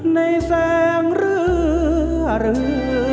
ในแสงเหลือเหลือ